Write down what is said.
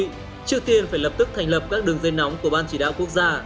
trước tiên phải lập tức thành lập các đường dây nóng của ban chỉ đạo quốc gia